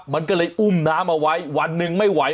มันก็เลยอุ้มน้ำเอาไว้วันหนึ่งไม่ไหว